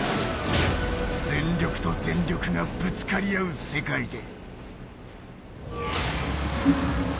全力と全力がぶつかり合う世界で。